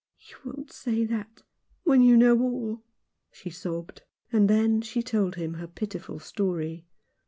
"You won't say that, when you know all," she sobbed. And then she told him her pitiful story.